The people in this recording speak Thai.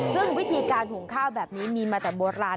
ซึ่งวิธีการหุงข้าวแบบนี้มีมาแต่โบราณ